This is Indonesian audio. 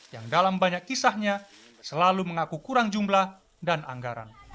yang dalam banyak kisahnya selalu mengaku kurang jumlah dan anggaran